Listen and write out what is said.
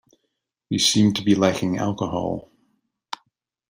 We seem to be lacking alcohol.